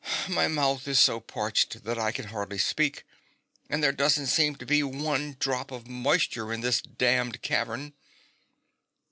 My mouth is so parched that I can hardly speak, and there doesn't seem to be one drop of moisture in this daiTined cavern.'